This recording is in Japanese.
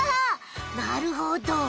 なるほど！